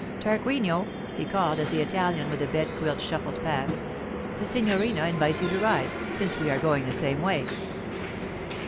Tarquinio,' he called as the Italian with the bed quilt shuffled past. 'The signorina invites you to ride, since we are going the same way.